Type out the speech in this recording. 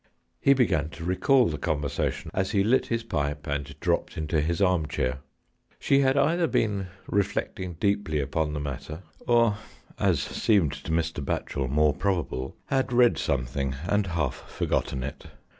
He began to recall the conversation as he lit his pipe and dropped into his armchair. She had either been reflecting deeply upon the matter, or, as seemed to Mr. Batchel, more probable, had read something and half forgotten it.